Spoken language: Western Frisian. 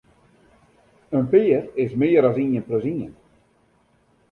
In pear is mear as ien plus ien.